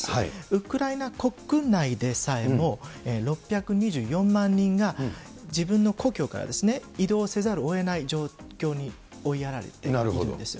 ウクライナ国内でさえも６２４万人が、自分の故郷から移動せざるをえない状況に追いやられているんです。